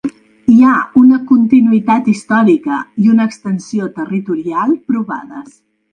Hi ha una continuïtat històrica i una extensió territorial provades.